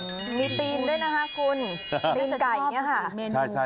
มีตีนด้วยนะคะคุณตีนไก่เนี่ยค่ะ